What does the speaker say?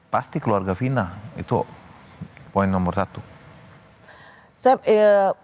pasti keluarga fina itu poin nomor satu